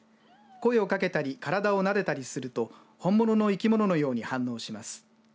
声をかけたり体をなでたりすると本物の生き物のように反応します。